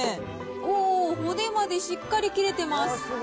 おー、骨までしっかり切れてます。